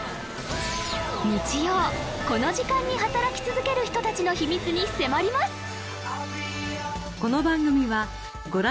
日曜この時間に働き続ける人達の秘密に迫ります！